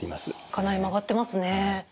かなり曲がってますね。